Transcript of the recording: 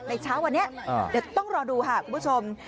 เช้าวันนี้เดี๋ยวต้องรอดูค่ะคุณผู้ชม